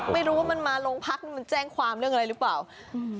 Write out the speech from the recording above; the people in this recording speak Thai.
ไม่รู้ว่ามันมาโรงพักนี่มันแจ้งความเรื่องอะไรหรือเปล่าอืม